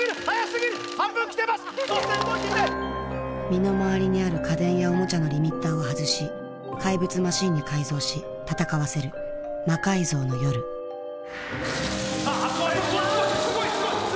身の回りにある家電やおもちゃのリミッターを外し怪物マシンに改造し戦わせる「魔改造の夜」さあすごいすごいすごい！